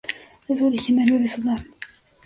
Es originario de Sudán.